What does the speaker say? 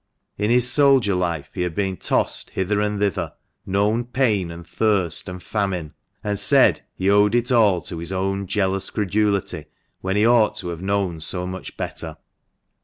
In his soldier life he had been tossed hither and thither — known pain, and thirst, and famine ; and said he owed it all to his own jealous credulity, when he ought to have known so much better.